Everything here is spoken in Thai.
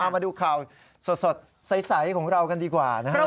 มาดูข่าวสดใสของเรากันดีกว่านะครับ